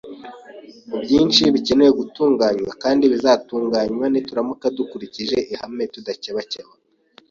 u byinshi bikeneye gutunganywa kandi bizatunganywa nituramuka dukurikije ihame tudakebakeba